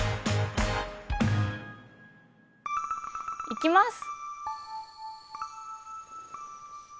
いきます！